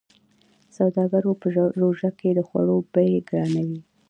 سوداګرو په روژه کې د خوړو بيې ګرانوي.